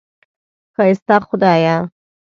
ښایسته خدایه!